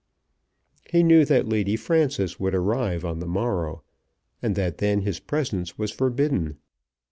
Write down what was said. He knew that Lady Frances would arrive on the morrow, and that then his presence was forbidden.